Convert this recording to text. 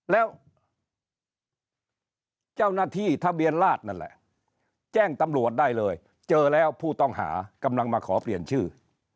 แล้วเจ้าหน้าที่ทะเบียนราชนั่นแหละแจ้งตำรวจได้เลยเจอแล้วผู้ต้องหากำลังมาขอเปลี่ยนชื่อ